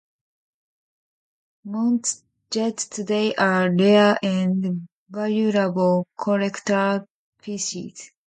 Muntz Jets today are rare and valuable collector pieces.